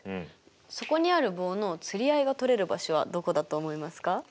そこにある棒の釣り合いが取れる場所はどこだと思いますか？